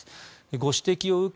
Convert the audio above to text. ご指摘を受け